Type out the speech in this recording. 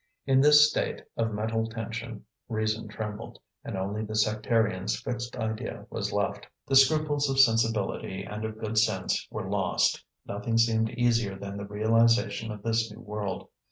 In this state of mental tension reason trembled, and only the sectarian's fixed idea was left. The scruples of sensibility and of good sense were lost; nothing seemed easier than the realization of this new world.